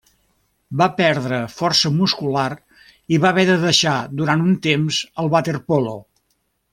Va perdre força muscular i va haver de deixar durant un temps el waterpolo.